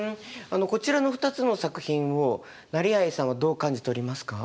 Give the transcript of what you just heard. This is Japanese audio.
こちらの２つの作品を成相さんはどう感じ取りますか？